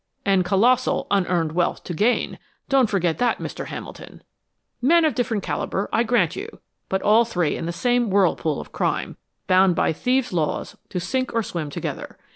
"And colossal, unearned wealth to gain don't forget that, Mr. Hamilton. Men of different caliber, I grant you, but all three in the same whirlpool of crime, bound by thieves' law to sink or swim together.